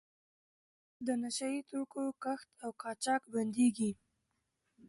د نشه یي توکو کښت او قاچاق بندیږي.